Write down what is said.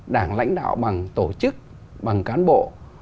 đảng lãnh đạo bằng tổ chức bằng cán bộ